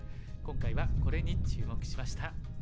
今回はこれに注目しました。